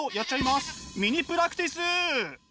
ミニプラクティス！